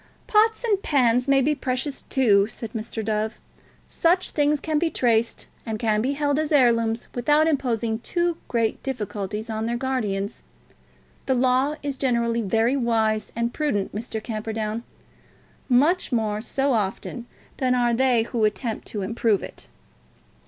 "Pots and pans may be precious, too," replied Mr. Dove. "Such things can be traced, and can be held as heirlooms without imposing too great difficulties on their guardians. The Law is generally very wise and prudent, Mr. Camperdown; much more so often than are they who attempt to improve it."